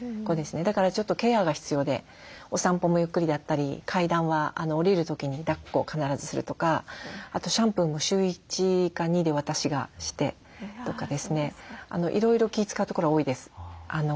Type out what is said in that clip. だからちょっとケアが必要でお散歩もゆっくりだったり階段は下りる時にだっこを必ずするとかあとシャンプーも週１か２で私がしてとかですねいろいろ気遣うところは多いです。